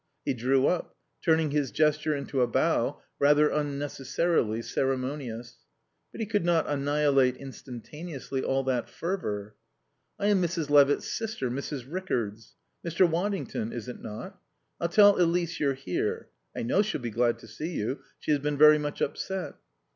He drew up, turning his gesture into a bow, rather unnecessarily ceremonious; but he could not annihilate instantaneously all that fervour. "I am Mrs. Levitt's sister, Mrs. Rickards. Mr. Waddington, is it not? I'll tell Elise you're here. I know she'll be glad to see you. She has been very much upset."